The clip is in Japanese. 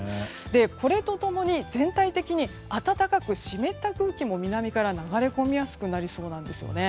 これと共に全体的に暖かく湿った空気も南から流れ込みやすくなりそうなんです。